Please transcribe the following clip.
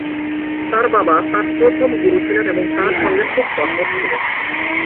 তার বাবা তার প্রথম গুরু ছিলেন এবং তার সঙ্গে খুব কঠোর ছিলেন।